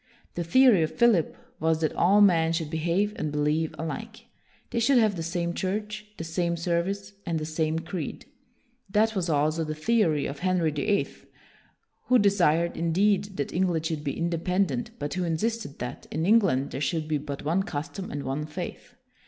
The theory of Philip was that all men should behave and believe alike. They should have the same church, the same service, and the same creed. That was also the theory of Henry the Eighth, who desired, indeed, that England should be independent, but who insisted that, in England, there should be but one custom and one faith.